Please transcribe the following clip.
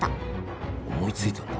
思いついたんだ。